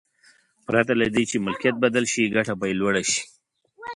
پرته له دې چې ملکیت بدل شي ګټه به یې لوړه شي.